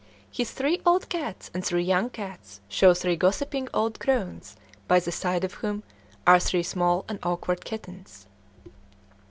His three old cats and three young cats show three gossiping old crones by the side of whom are three small and awkward kittens.